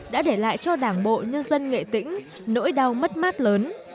đã để lại cho đảng bộ nhân dân nghệ tĩnh nỗi đau mất mát lớn